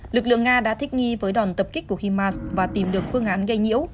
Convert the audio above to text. lực lượng nga đã thích nghi với đòn tập kích của himas và tìm được phương án gây nhiễu